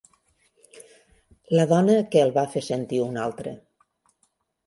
La dona que el va fer sentir un altre.